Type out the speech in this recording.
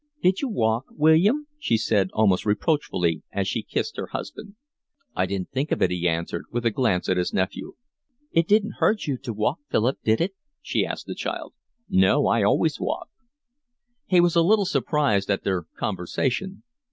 "Did you walk, William?" she said, almost reproachfully, as she kissed her husband. "I didn't think of it," he answered, with a glance at his nephew. "It didn't hurt you to walk, Philip, did it?" she asked the child. "No. I always walk." He was a little surprised at their conversation.